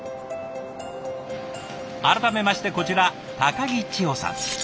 改めましてこちら木千歩さん。